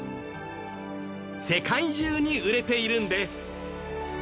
世界中に売れているんです。